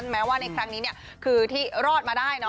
แม้ว่าในครั้งนี้เนี่ยคือที่รอดมาได้